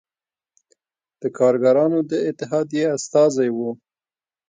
د کارګرانو اتحادیې استازی و.